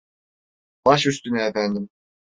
Baş üstüne efendim.